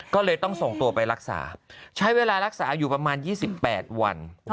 ก็เลยต้องส่งตัวไปรักษาใช้เวลารักษาอยู่ประมาณ๒๘วัน